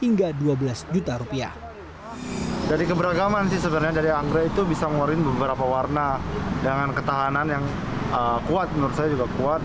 kita bisa menawarin beberapa warna dengan ketahanan yang kuat menurut saya juga kuat